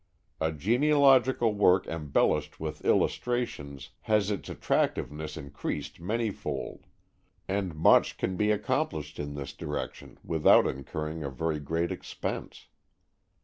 A genealogical work embellished with illustrations has its attractiveness increased many fold, and much can be accomplished in this direction without incurring a very great expense.